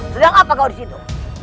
sedang apa kau disitu